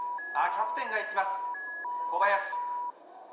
キャプテンが行きます、小林。